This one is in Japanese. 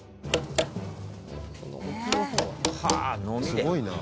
「すごいな」